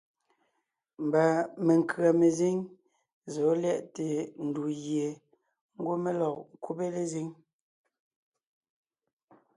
Mba menkʉ̀a mezíŋ zɔ̌ lyɛʼte ndù gie ngwɔ́ mé lɔg ńkúbe lezíŋ.